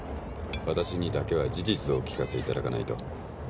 わたしにだけは事実をお聞かせいただかないと。